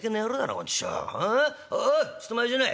おいちょっと待ちない。